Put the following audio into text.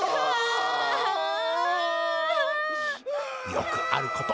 よくあること。